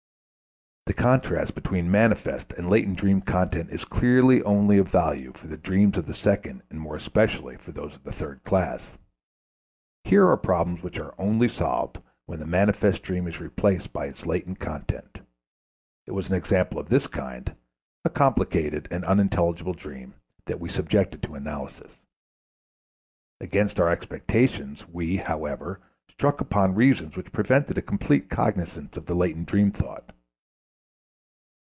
The contrast between manifest and latent dream content is clearly only of value for the dreams of the second and more especially for those of the third class. Here are problems which are only solved when the manifest dream is replaced by its latent content; it was an example of this kind, a complicated and unintelligible dream, that we subjected to analysis. Against our expectation we, however, struck upon reasons which prevented a complete cognizance of the latent dream thought.